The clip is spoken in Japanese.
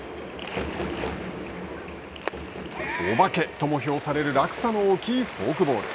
「お化け」とも評される落差の大きいフォークボール。